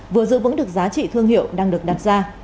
vừa giữ vững được giá trị thương hiệu đang được đặt ra